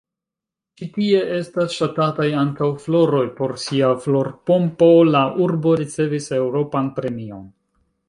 Ĉi tie estas ŝatataj ankaŭ floroj: por sia florpompo la urbo ricevis Eŭropan Premion.